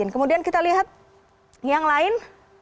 kemudian kita lihat yang lain